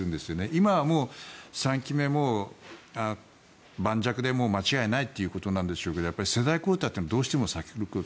今はもう３期目盤石で間違いないということでしょうけど世代交代というのはどうしても。